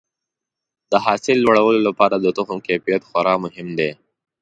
د حاصل لوړولو لپاره د تخم کیفیت خورا مهم دی.